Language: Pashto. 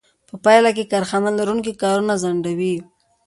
په پایله کې کارخانه لرونکي کارونه ځنډوي